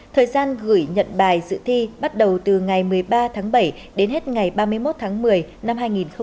thời gian gửi nhận bài dự thi bắt đầu từ ngày một mươi ba tháng bảy đến hết ngày ba mươi một tháng một mươi năm hai nghìn một mươi chín